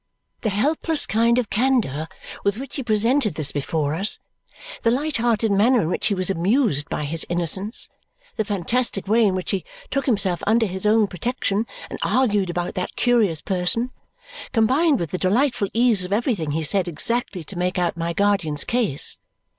The helpless kind of candour with which he presented this before us, the light hearted manner in which he was amused by his innocence, the fantastic way in which he took himself under his own protection and argued about that curious person, combined with the delightful ease of everything he said exactly to make out my guardian's case.